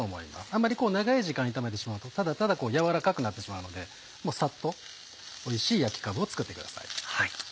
あんまり長い時間炒めてしまうとただただ軟らかくなってしまうのでサッとおいしい焼きかぶを作ってください。